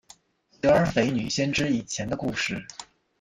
德尔斐女先知以前的故事。